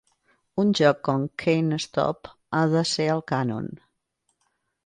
Un joc com Can't Stop ha de ser al cànon!